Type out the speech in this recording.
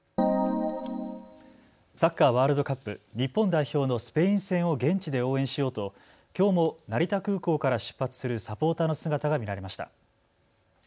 サッカーワールドカップ日本代表のスペイン戦を現地で応援しようと、きょうも成田空港から出発するサポーターの姿が見られました。